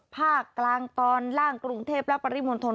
ภาคกลางตอนล่างกรุงเทพและปริมณฑล